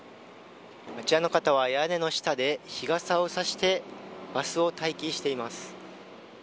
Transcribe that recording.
あちらの方は屋根の下で日傘を差してバスを待機しています。